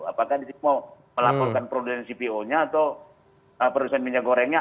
apakah di situ mau melaporkan produsen cpo nya atau produsen minyak gorengnya